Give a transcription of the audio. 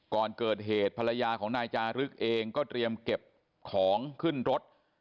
ก่อนเกิดเหตุภรรยาของนายจารึกเองก็เตรียมเก็บของขึ้นรถ